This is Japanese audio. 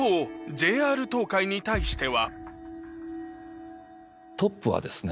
貶ＪＲ東海に対しては。